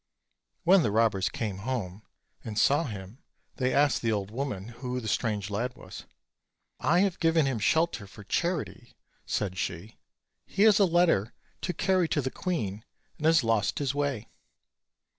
When the robbers came home and saw him they asked the old woman who the strange lad was. "I have given him shelter for charity," said she; "he has a letter to carry to the queen, and has lost his way."